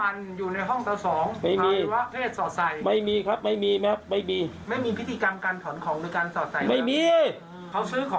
พระอาจารย์ออสบอกว่าอาการของคุณแป๋วผู้เสียหายคนนี้อาจจะเกิดจากหลายสิ่งประกอบกัน